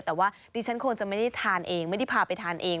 แต่ว่าดิฉันคงจะไม่ได้ทานเองไม่ได้พาไปทานเอง